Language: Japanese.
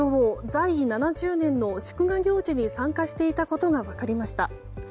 在位７０年の祝賀行事に参加していたことが分かりました。